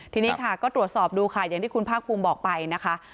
ทีนี้ค่ะก็ตรวจสอบดูค่ะอย่างที่คุณภาคภูมิบอกไปนะคะ